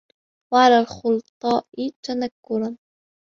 وَعَلَى الْخُلَطَاءِ تَنَكُّرًا